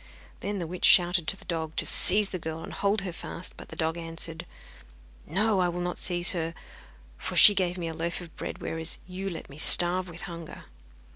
Then the witch shouted to the dog to seize the girl and hold her fast; but the dog answered: 'No, I will not seize her, for she gave me a loaf of bread, whereas you let me starve with hunger.